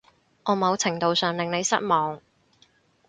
我某程度上令你失望